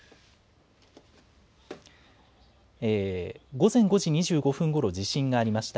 午前５時２５分ごろ、地震がありました。